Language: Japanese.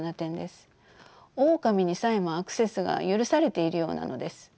オオカミにさえもアクセスが許されているようなのです。